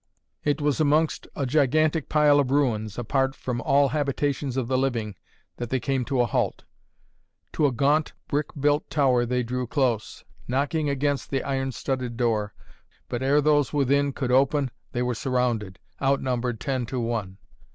It was amongst a gigantic pile of ruins, apart from all habitations of the living, that they came to a halt. To a gaunt brick built tower they drew close, knocking against the iron studded door, but ere those within could open, they were surrounded, outnumbered ten to one.